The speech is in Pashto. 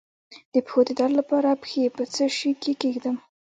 د پښو د درد لپاره پښې په څه شي کې کیږدم؟